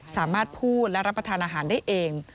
สามารถพูดและรับประทานอาหารได้เอง